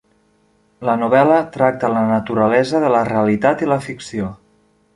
La novel·la tracta la naturalesa de la realitat i la ficció.